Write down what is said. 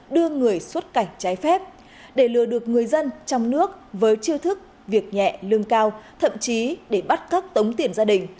đưa người xuất cảnh trái phép để lừa được người dân trong nước với chiêu thức việc nhẹ lương cao thậm chí để bắt cắt tống tiền gia đình